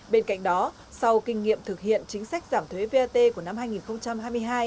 bên cạnh đó sau kinh nghiệm thực hiện chính sách giảm thuế vat của năm hai nghìn hai mươi hai